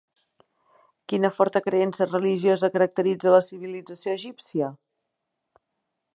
Quina forta creença religiosa caracteritza la civilització egípcia?